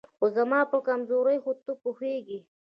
خو زما په کمزورۍ خو ته پوهېږې